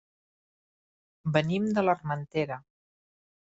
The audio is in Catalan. Venim de l'Armentera.